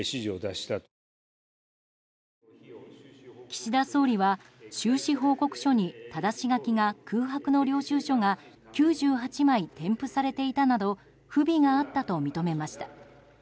岸田総理は宗教法人法にただし書きが空白の領収書が９８枚添付されていたなどと不備があったと認めました。